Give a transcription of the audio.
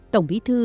tổng bí thư